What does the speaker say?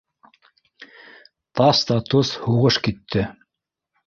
Тас та тос һуғыш китте.